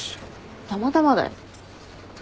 たまたまだよ。